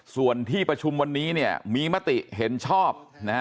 ส่วนที่ประชุมวันนี้มีมติเห็นชอบ